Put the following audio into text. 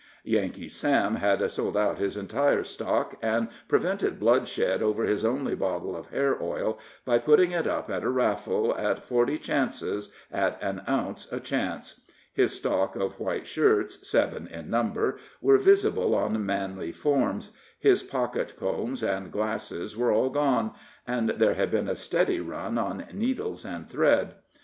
Yankee Sam had sold out his entire stock, and prevented bloodshed over his only bottle of hair oil by putting it up at a raffle, in forty chances, at an ounce a chance. His stock of white shirts, seven in number, were visible on manly forms; his pocket combs and glasses were all gone; and there had been a steady run on needles and thread.